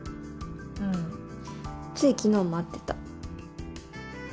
うんつい昨日も会ってた。